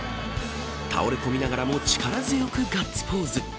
倒れ込みながらも力強くガッツポーズ。